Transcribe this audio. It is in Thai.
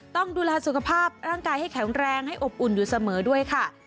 ต้องดูแลสุขภาพร่างกายให้แข็งแรงให้อบอุ่นอยู่เสมอด้วยค่ะ